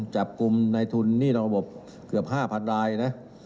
จับกลุ่มในทุนหนี้นอกระบบเกือบ๕๐๐รายนะ